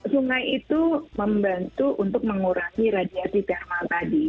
sungai itu membantu untuk mengurangi radiasi thermal tadi